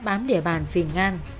bám địa bàn phiền ngan